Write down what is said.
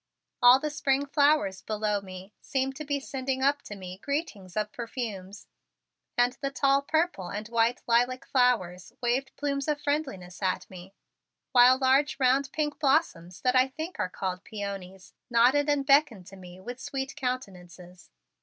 All the spring flowers below me seemed to be sending up to me greetings of perfumes and the tall purple and white lilac flowers waved plumes of friendliness at me, while large round pink blossoms that I think are called peonies, nodded and beckoned to me with sweet countenances.